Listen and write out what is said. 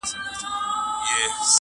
د ژوندیو له نړۍ څخه بېلېږم -